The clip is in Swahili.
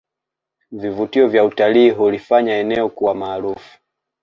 Vivutio vya utalii hulifanya eneo kuwa maarufu